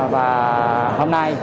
và hôm nay